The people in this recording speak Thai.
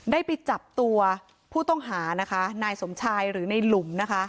ได้ไปจับตัวผู้ต้องหานะคะนายสมชายหรือในหลุมนะคะ